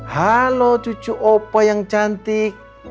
halo cucu opo yang cantik